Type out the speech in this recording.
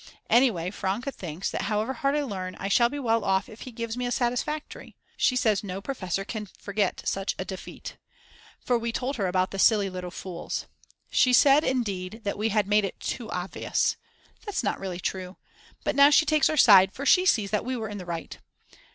Anyhow Franke thinks that however hard I learn, I shall be well off if he gives me a Satisfactory. She says no professor can forget such a defeat. For we told her about the silly little fools. She said, indeed, that we had made it too obvious. That's not really true. But now she takes our side, for she sees that we were in the right.